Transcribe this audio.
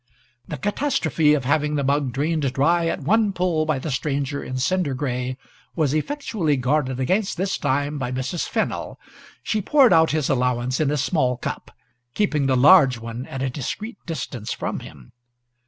The catastrophe of having the mug drained dry at one pull by the stranger in cinder gray was effectually guarded against this time by Mrs. Fennel. She poured out his allowance in a small cup, keeping the large one at a discreet distance from him.